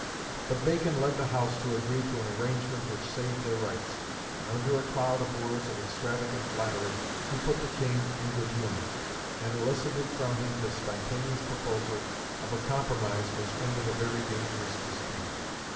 But Bacon led the House to agree to an arrangement which saved their rights; and under a cloud of words of extravagant flattery he put the King in good humour, and elicited from him the spontaneous proposal of a compromise which ended a very dangerous dispute.